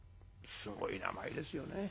すごい名前ですよね。